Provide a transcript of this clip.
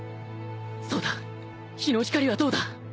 そうだ日の光はどうだ？